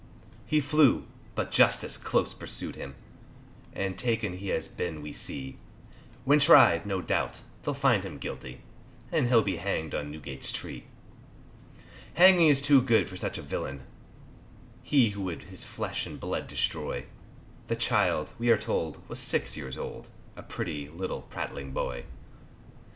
He flew, but Justice close pursued him, And taken he has been we see; When tried, no doubt, they'll find him guilty, And he'll be hanged on Newgate's tree; Hanging is too good for such a villain, He who would his flesh and blood destroy, The child, we are told, was six years old, A pretty little prattling boy.